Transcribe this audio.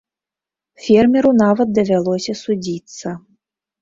Фермеру нават давялося судзіцца.